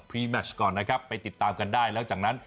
ไปติดตามกันได้แล้วจากนั้น